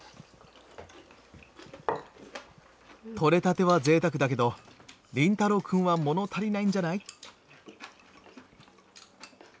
取れたてはぜいたくだけど凛太郎くんはもの足りないんじゃない？